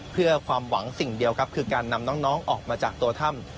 เพื่อความหวังสิ่งเดียวครับคือการนำน้องออกมาจากตัวถ้ำ